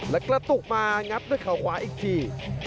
และกระตุกมางัดด้วยเขาขวาอีกที